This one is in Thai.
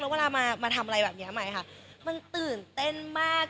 เวลามาทำอะไรแบบนี้ใหม่ค่ะมันตื่นเต้นมาก